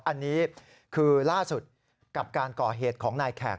อันนี้คือล่าสุดกับการก่อเหตุของนายแขก